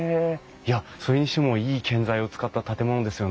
いやそれにしてもいい建材を使った建物ですよね。